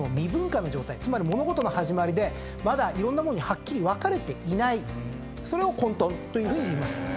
つまり物事の始まりでまだいろんなものにはっきり分かれていないそれを混沌というふうにいいます。